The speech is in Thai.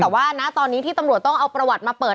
แต่ว่านะตอนนี้ที่ตำรวจต้องเอาประวัติมาเปิด